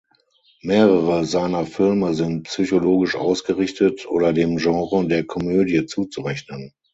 Mehrere seiner Filme sind psychologisch ausgerichtet oder dem Genre der Komödie zuzurechnen.